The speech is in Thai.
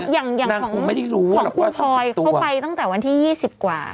ยังต้องไปตั้งแต่วันที่๒๐กว่า